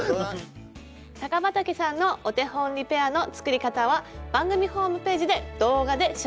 高畠さんのお手本リペアの作り方は番組ホームページで動画で紹介しています。